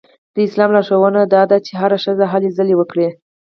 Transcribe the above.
د اسلام لارښوونه دا ده چې هره ښځه هلې ځلې وکړي.